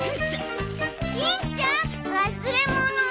しんちゃん忘れ物。